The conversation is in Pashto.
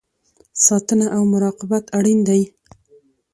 ساتنه او مراقبت اړین دی